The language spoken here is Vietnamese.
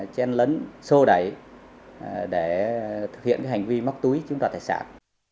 chên lấn sô đẩy để thực hiện hành vi mắc túi chúng ta tài sản